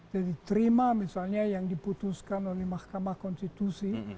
jadi terima misalnya yang diputuskan oleh mahkamah konstitusi